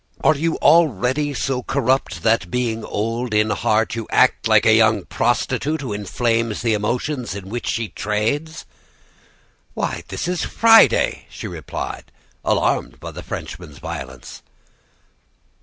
Are you already so corrupt that, being old in heart, you act like a young prostitute who inflames the emotions in which she trades?' "'Why, this is Friday,' she replied, alarmed by the Frenchman's violence.